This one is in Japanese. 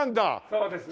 そうです。